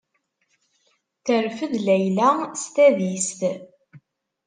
Terfed Layla s tadist.